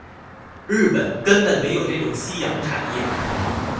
日本根本沒有這種夕陽產業